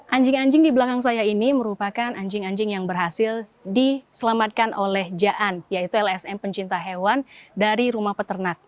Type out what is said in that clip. anjing anjing di belakang saya ini merupakan anjing anjing yang berhasil diselamatkan oleh jaan yaitu lsm pencinta hewan dari rumah peternak